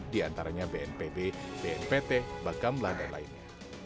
diantaranya bnpb bnpt bakamla dan lainnya